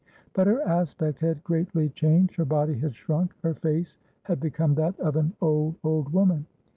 But her aspect had greatly changed; her body had shrunk, her face had become that of an old, old woman.